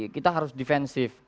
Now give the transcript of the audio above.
kita harus defensif